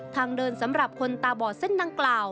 ทางเดินสำหรับคนตาบอดเส้นดังกล่าว